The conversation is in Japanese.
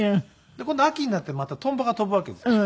今度秋になってまたトンボが飛ぶわけですよ。